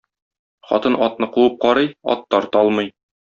Хатын атны куып карый, ат тарта алмый.